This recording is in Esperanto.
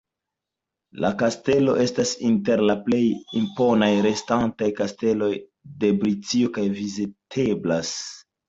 La kastelo estas inter la plej imponaj restantaj kasteloj de Britio, kaj viziteblas.